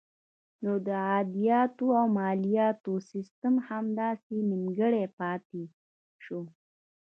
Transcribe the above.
نو د عایداتو او مالیاتو سیسټم همداسې نیمګړی پاتې شو.